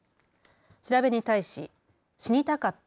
調べに対し死にたかった。